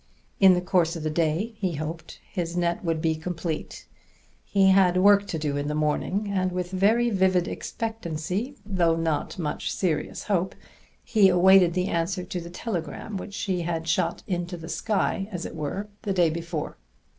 In the course of the day, he hoped, his net would be complete. He had work to do in the morning; and with very vivid expectancy, though not much serious hope, he awaited the answer to the telegram which he had shot into the sky, as it were, the day before.